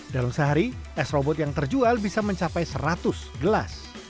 dalam sehari s robot yang terjual bisa mencapai seratus gelas